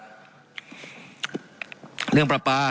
การปรับปรุงทางพื้นฐานสนามบิน